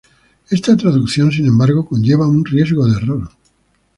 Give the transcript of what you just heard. Esta traducción, sin embargo, conlleva un riesgo de error.